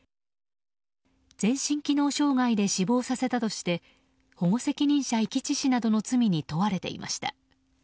全身機能障害で死亡させたとして保護責任者遺棄致死などの罪に問われていました。